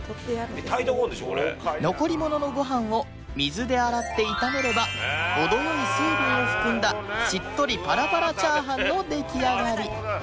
残り物のごはんを水で洗って炒めれば程良い水分を含んだしっとりパラパラチャーハンの出来上がり